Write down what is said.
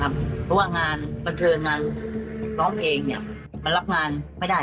มันรับงานไม่ได้